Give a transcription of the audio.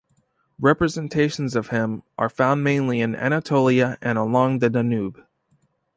Representations of him are found mainly in Anatolia and along the Danube.